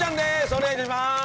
お願いいたします！